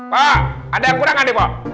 pak ada yang kurang nggak nih pak